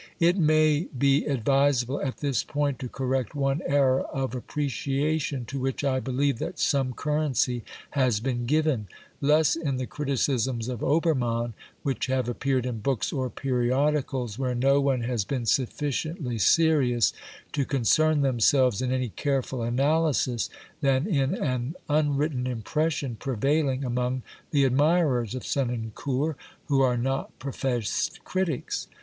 It may be advisable at this point to correct one error of appreciation to which I believe that some currency has been given, less in the criticisms of Obermann which have appeared in books or periodicals, where no one has been sufficiently serious to concern themselves in any careful analysis, than in an unwritten impression prevailing among the admirers of Senancour who are not professed critics.